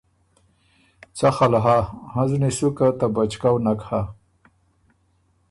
څخل هۀ هنزنی سُو که ته بچکؤ نک هۀ۔